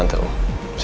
untuk memuaskan ego anda